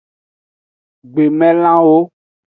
Gbemelanwo.